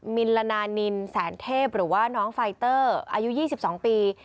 มิลนานินแสนเทพหรือว่าน้องไฟเตอร์อายุ๒๒ปี